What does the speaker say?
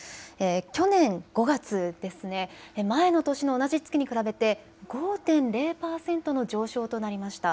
去年５月、前の年の同じ月に比べて５．０％の上昇となりました。